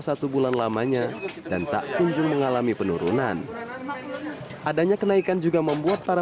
satu bulan lamanya dan tak kunjung mengalami penurunan adanya kenaikan juga membuat para